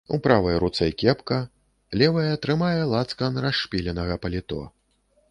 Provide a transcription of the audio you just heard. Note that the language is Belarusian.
У правай руцэ кепка, левая трымае лацкан расшпіленага паліто.